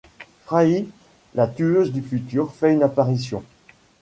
Fray, la Tueuse du futur fait une apparition.